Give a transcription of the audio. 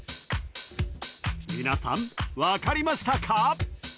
皆さん分かりましたか？